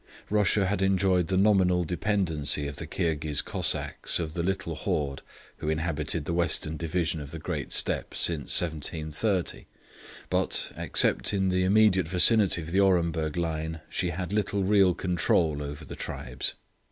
Russia had enjoyed the nominal dependency of the Kirghis Kozzacks of the little horde who inhabited the western division of the great Steppe since 1730; but, except in the immediate vicinity of the Orenburg line, she had little real control over the tribes.